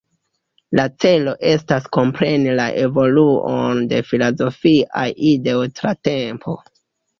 La celo estas kompreni la evoluon de filozofiaj ideoj tra tempo.